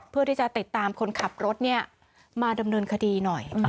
เพื่อที่จะติดตามคนขับรถมาดำเนินคดีหน่อย